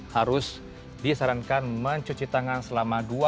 harus disarankan mencuci tangan selama